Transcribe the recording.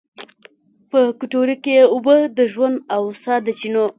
په کټورې کې یې اوبه، د ژوند او سا د چېنو